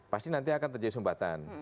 pasti nanti akan terjadi sumbatan